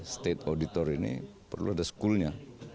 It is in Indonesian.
state auditor ini perlu ada school nya